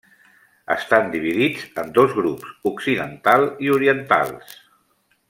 Estan dividits en dos grups, occidental i orientals.